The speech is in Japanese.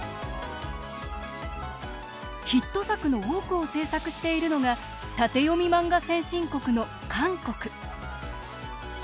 ヒット作の多くを制作しているのが縦読み漫画先進国の韓国。